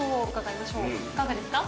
いかがですか？